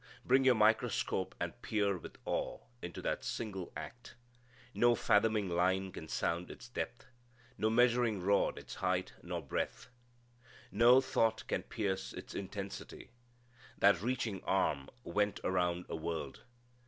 Bring your microscope and peer with awe into that single act. No fathoming line can sound its depth. No measuring rod its height nor breadth. No thought can pierce its intensity. That reaching arm went around a world.